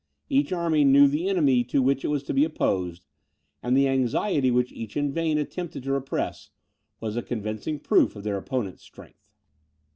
Each army knew the enemy to which it was to be opposed: and the anxiety which each in vain attempted to repress, was a convincing proof of their opponent's strength.